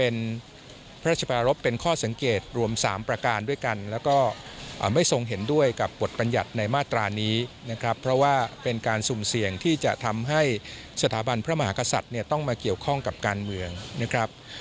เป็นพระราชปารพเป็นข้อสังเกตรวม๓ประการด้วยกันแล้วก็ไม่ทรงเห็นด้วยกับบทบรรยัติในมาตรานี้นะครับเพราะว่าเป็นการสุ่มเสี่ยงที่จะทำให้สถาบันพระมหากษัตริย์เนี่ยต้องมาเกี่ยวข้องกับการเมืองนะครับ